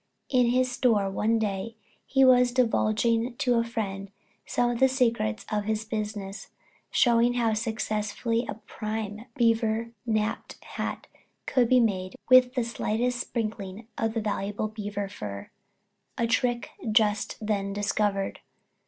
In his store one day he was divulging to a friend some of the secrets of his business, showing how successfully a prime beaver napped hat could be made with the slightest sprinkling of the valuable beaver fur, a trick just then discovered.